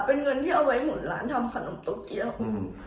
เป็นเงินที่เอาไว้หมุนร้านทำขนมโตเกียว